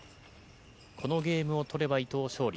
このゲームを取れば、伊藤勝利。